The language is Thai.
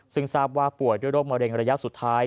ซึ่งทราบว่าป่วยด้วยโรคมะเร็งระยะสุดท้าย